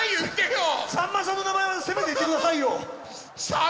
さんまさんの名前はせめて言ってくださいよ